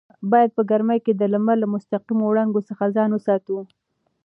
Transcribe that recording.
باید په ګرمۍ کې د لمر له مستقیمو وړانګو څخه ځان وساتو.